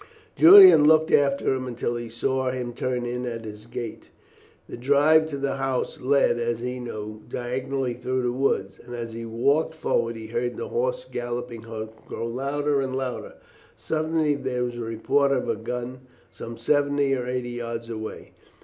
Julian stood looking after him until he saw him turn in at his gate. The drive to the house led, as he knew, diagonally through the wood, and as he walked forward he heard the horse's galloping hoofs grow louder and louder. Suddenly there was the report of a gun some seventy or eighty yards away.